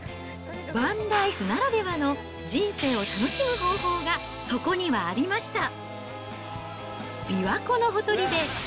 バンライフならではの人生を楽しむ方法が、そこにはありました。